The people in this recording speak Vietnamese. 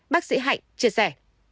bác sĩ hạnh chia sẻ